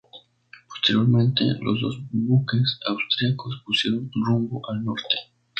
Posteriormente, los dos buques austriacos pusieron rumbo al norte.